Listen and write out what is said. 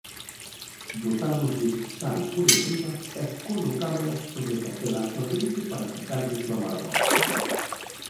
Botámoslles sal por enriba e colocámolas sobre papel absorbente para quitarlles o amargor.